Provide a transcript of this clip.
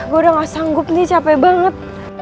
gue udah gak sanggup nih capek banget